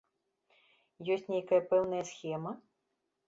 Ёсць нейкая пэўная схема?